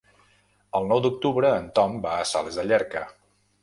El nou d'octubre en Tom va a Sales de Llierca.